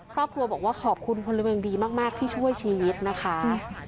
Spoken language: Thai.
ครอบครัวบอกว่าขอบคุณพลเมืองดีมากที่ช่วยชีวิตนะคะ